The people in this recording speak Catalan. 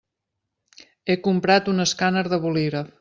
He comprat un escàner de bolígraf.